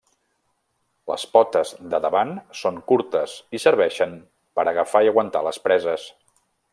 Les potes de davant són curtes i serveixen per agafar i aguantar les preses.